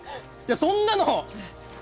そんなの！